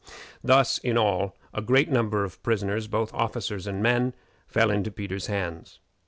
Thus, in all, a great number of prisoners, both of officers and men, fell into Peter's hands.